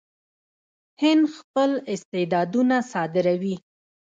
هند خپل استعدادونه صادروي.